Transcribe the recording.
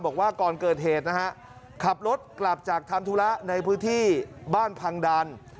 บอกว่าก่อนเกิดเหตุนะฮะขับรถกลับจากทำธุระในพื้นที่บ้านพังดัน